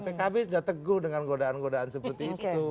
pkb sudah teguh dengan godaan godaan seperti itu